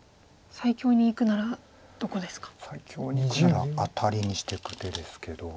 最強にいくならアタリにしてく手ですけど。